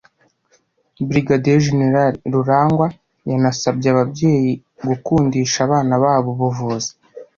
Brig Gen Rurangwa yanasabye ababyeyi gukundisha abana babo ubuvuzi